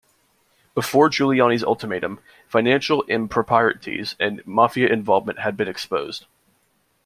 Before Giuliani's ultimatum, financial improprieties and mafia involvement had been exposed.